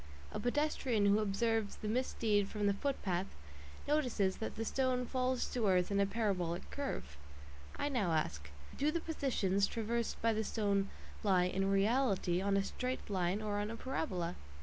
A pedestrian who observes the misdeed from the footpath notices that the stone falls to earth in a parabolic curve. I now ask: Do the "positions" traversed by the stone lie "in reality" on a straight line or on a parabola?